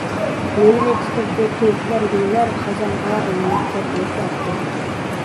لېۋىنى تىترىتىپ تۆكۈلەر گۈللەر، خازانغا ئايلىنىپ كەتمەكتە ئەركىم!